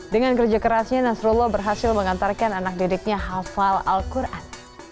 dengan kerja kerasnya nasrullah berhasil mengantarkan anak didiknya hafal al quran